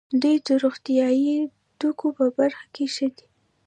دوی د روغتیايي توکو په برخه کې ښه دي.